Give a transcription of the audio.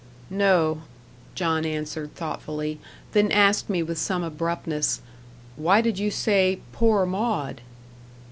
"No," John answered thoughtfully; then asked me with some abruptness, "Why did you say 'poor Maud'?"